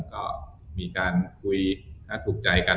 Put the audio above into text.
ก็มีการคุยถูกใจกัน